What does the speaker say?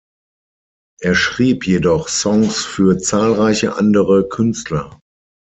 Er schrieb jedoch Songs für zahlreiche andere Künstler.